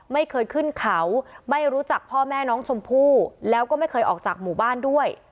ไม่เคยขึ้นเขาไม่รู้จักพ่อแม่น้องชมพู่แล้วก็ไม่เคยออกจากหมู่บ้านด้วย